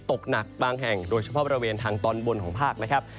ตกหนักบางแห่งโดยเฉพาะบริเวณทางตอนบนของภาคนะครับ